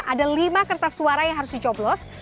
ada lima kertas suara yang harus dicoblos